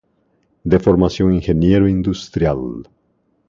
De formación ingeniero industrial.